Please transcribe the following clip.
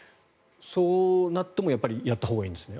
そうなってもやったほうがいいんですね。